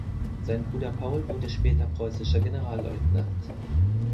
Sein Bruder Paul wurde später preußischer Generalleutnant.